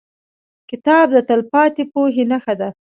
کتاب د تلپاتې پوهې نښه ده.